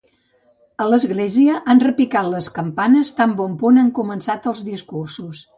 A l’església han repicat les campanes tan bon punt han començat els discursos.